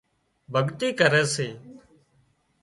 ڀڳتي ڪري سي